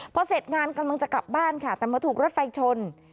พอเสร็จงานกำลังจะกลับบ้านค่ะแต่มาถูกรถไฟชน